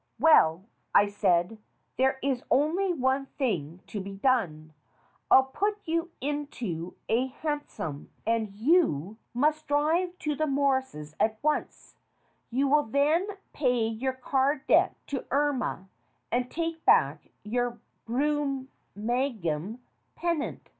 "Well," I said, "there is only one thing to be done. I'll put you into a hansom, and you 224 STORIES WITHOUT TEARS must drive to the Morrices' at once. You will then pay your card debt to Irma and take back your Brum magem pendant.